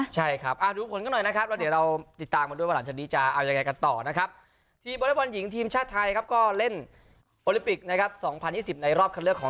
ใช่ครับดูผลกันหน่อยนะครับ